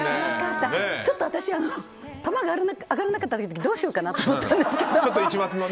ちょっと私球が上がらなかったのでどうしようかなと思ったんですけど。